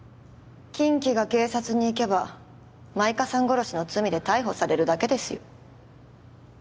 金鬼が警察に行けば舞歌さん殺しの罪で逮捕されるだけですよ